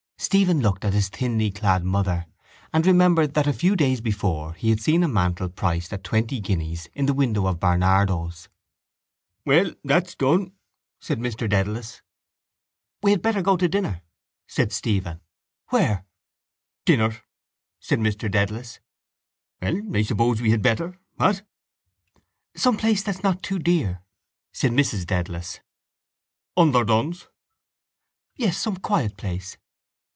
Stephen looked at his thinly clad mother and remembered that a few days before he had seen a mantle priced at twenty guineas in the windows of Barnardo's. —Well that's done, said Mr Dedalus. —We had better go to dinner, said Stephen. Where? —Dinner? said Mr Dedalus. Well, I suppose we had better, what? —Some place that's not too dear, said Mrs Dedalus. —Underdone's? —Yes. Some quiet place.